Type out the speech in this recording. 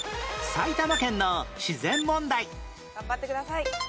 埼玉県の自然問題頑張ってください。